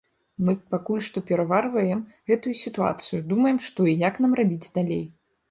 Мы пакуль што пераварваем гэтую сітуацыю, думаем, што і як нам рабіць далей.